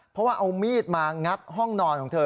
เพราะว่าเอามีดมางัดห้องนอนของเธอ